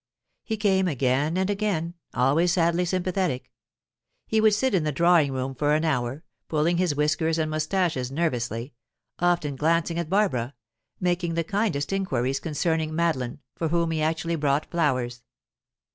He came again and again, always sadly sympathetic. He would sit in the drawing room for an hour, pulling his whiskers and moustaches nervously, often glancing at Barbara, making the kindest inquiries concerning Madeline, for whom he actually brought flowers.